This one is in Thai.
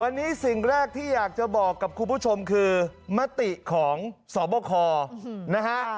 วันนี้สิ่งแรกที่อยากจะบอกกับคุณผู้ชมคือมติของสบคนะฮะ